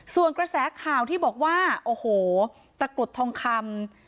ส่วนกระแสข่าวที่บอกว่าโอ้โหตะกรุดทองคำ